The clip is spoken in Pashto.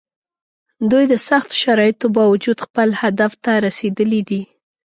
دوی د سختو شرایطو باوجود خپل هدف ته رسېدلي دي.